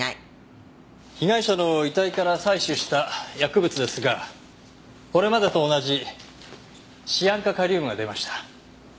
被害者の遺体から採取した薬物ですがこれまでと同じシアン化カリウムが出ました。